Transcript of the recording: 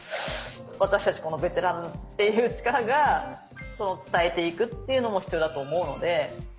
私たちベテランっていう力が伝えて行くっていうのも必要だと思うので。